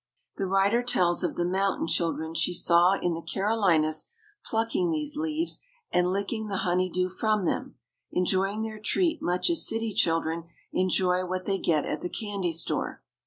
The writer tells of the mountain children she saw in the Carolinas plucking these leaves and licking the honey dew from them, enjoying their treat much as city children enjoy what they get at the candy store.